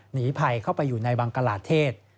หนีภัยเข้าไปอยู่ในบังกลาเทศ